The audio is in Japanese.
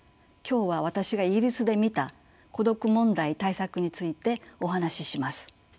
今日は私がイギリスで見た孤独問題対策についてお話しします。